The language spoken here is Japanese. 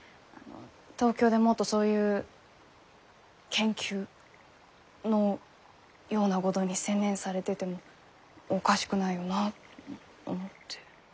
東京でもっとそういう研究のようなごどに専念されててもおかしくないよなと思って。